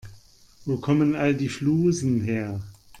Wo kommen all die Flusen her?